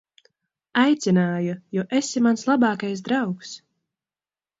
Aicināju, jo esi mans labākais draugs.